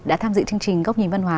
đã tham dự chương trình góc nhìn văn hóa